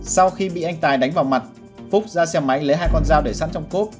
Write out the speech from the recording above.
sau khi bị anh tài đánh vào mặt phúc ra xe máy lấy hai con dao để sẵn trong cốp